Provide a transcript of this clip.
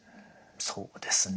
そうですね。